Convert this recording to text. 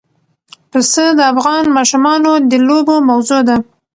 پسه د افغان ماشومانو د لوبو موضوع ده.